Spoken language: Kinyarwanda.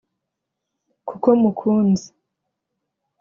kuko Mukunzi